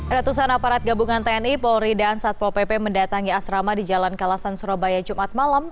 ratusan aparat gabungan tni polri dan satpol pp mendatangi asrama di jalan kalasan surabaya jumat malam